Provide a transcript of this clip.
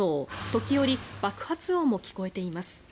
時折、爆発音も聞こえています。